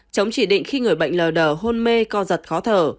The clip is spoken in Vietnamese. chống chỉ định khi người bệnh lờ đờ hôn mê co giật khó thở